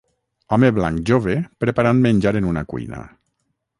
Home blanc jove preparant menjar en una cuina.